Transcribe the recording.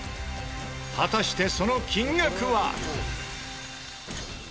果たしてその金額は？